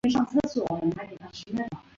光叶山楂为蔷薇科山楂属的植物。